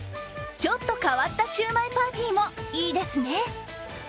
ちょっと変わったシュウマイパーティーもいいですね。